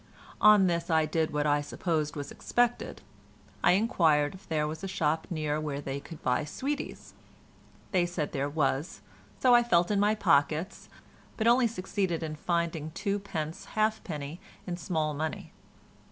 On this I did what I suppose was expected: I inquired if there was a shop near where they could buy sweeties. They said there was, so I felt in my pockets, but only succeeded in finding two pence halfpenny in small money.